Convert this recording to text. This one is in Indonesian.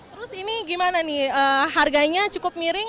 terus ini gimana nih harganya cukup miring